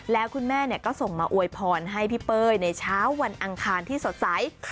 แล้วคุณแม่ก็ส่งมาอวยพรให้พี่เป้ยในเช้าวันอังคารที่สดใส